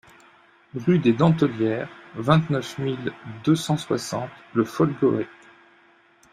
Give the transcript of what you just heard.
Rue des Dentelières, vingt-neuf mille deux cent soixante Le Folgoët